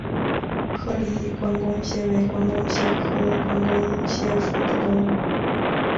颗粒关公蟹为关公蟹科关公蟹属的动物。